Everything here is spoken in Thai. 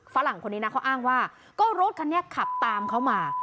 ฝรั่งคนนี้นะเขาอ้างว่าก็รถคันนี้ขับตามเขามา